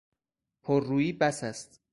پررویی بس است!